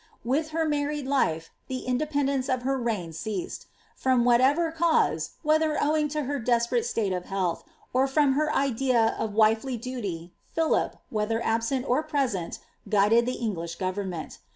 With her married life the inde pendence of her reign ceased ; from whatever cause, whether owing to her desperate state of health, or from her idea of wifely duty, Philip, whether absent or present, guided the English government.